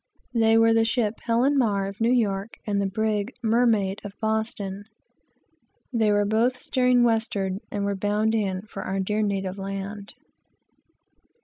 They were the ship Helen Mar, of New York, and the brig Mermaid, of Boston. They were both steering westward, and were bound in for our "dear native land."